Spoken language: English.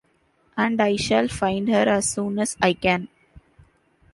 And I shall find her as soon as I can.